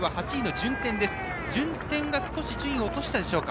順天が少し順位を落としましたか。